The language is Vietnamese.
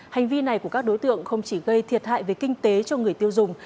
hành vi này của các đối tượng không chỉ gây thiệt hại về kinh tế cho người tiêu dùng